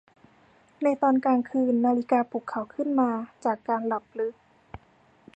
ในตอนกลางคืนนาฬิกาปลุกเขาขึ้นมาจากการหลับลึก